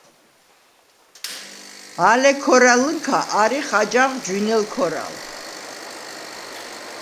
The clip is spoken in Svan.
ალე ქორალჷნქა არიხ აჯაღ ჯვინელ ქორალ.